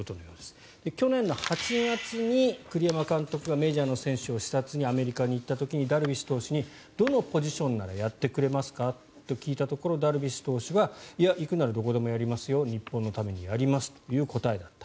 去年８月に栗山監督がメジャーの選手を視察にアメリカに行った時にダルビッシュ投手にどのポジションならやってくれますか？と聞いたところダルビッシュ投手がいや、行くならどこでもやりますよ日本のためにやりますという答えだった。